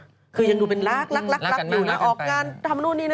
เป็นเรื่องนี้แล้วนะคือยังดูเป็นรักรักรักรักอยู่นะออกการทำนู่นนี่น่ะ